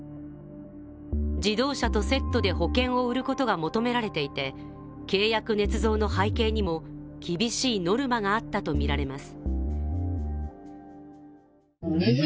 自動車とセットで保険を売ることが求められていて、契約ねつ造の背景にも厳しいノルマがあったとみられます。